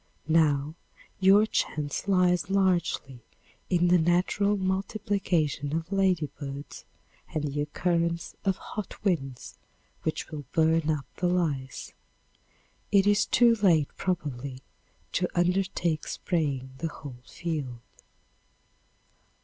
Now your chance lies largely in the natural multiplication of ladybirds and the occurrence of hot winds which will burn up the lice. It is too late probably, to undertake spraying the whole field.